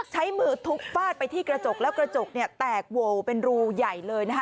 ใช้มือทุบฟาดไปที่กระจกแล้วกระจกเนี่ยแตกโหวเป็นรูใหญ่เลยนะคะ